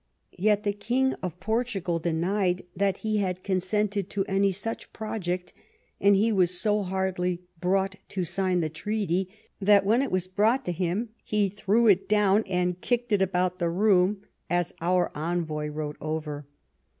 Yet the King of Portugal de nied that he had consented to any such project ; and he was so hardly brought to sign the treaty that, when if was brought to him, he threw it down and kicked it about the room, as our envoy wrote over.